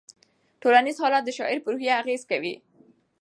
ټولنیز حالات د شاعر په روحیه اغېز کوي.